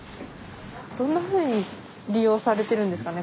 どんなふうに利用されてるんですかね